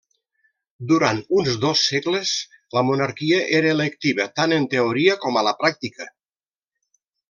Durant uns dos segles, la monarquia era electiva tant en teoria com a la pràctica.